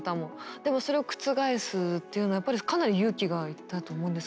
でもそれを覆すっていうのはやっぱりかなり勇気が要ったと思うんですけども。